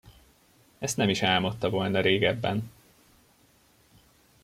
Ezt nem is álmodta volna régebben.